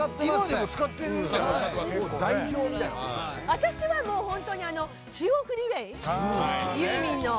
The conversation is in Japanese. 私はホントに『中央フリーウェイ』ユーミンの。